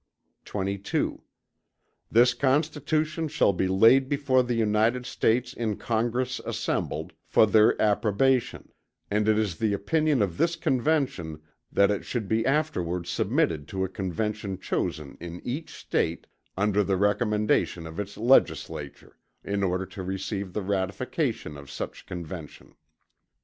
XXII This Constitution shall be laid before the United States in Congress assembled, for their approbation; and it is the opinion of this Convention, that it should be afterwards submitted to a Convention chosen in each State, under the recommendation of its legislature, in order to receive the ratification of such Convention.